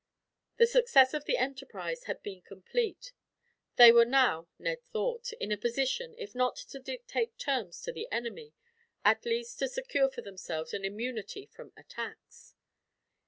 The success of the enterprise had been complete. They were now, Ned thought, in a position, if not to dictate terms to the enemy, at least to secure for themselves an immunity from attacks.